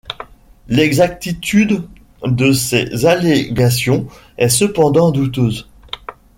L'exactitude de ces allégations est cependant douteuse.